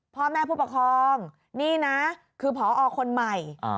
พ่อแม่ผู้ปกครองนี่นะคือพอคนใหม่